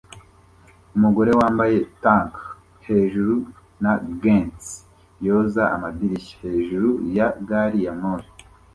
Umugore wambaye tank hejuru na gants yoza amadirishya hejuru ya gari ya moshi